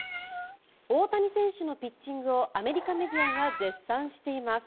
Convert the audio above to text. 大谷選手のピッチングをアメリカメディアが絶賛しています。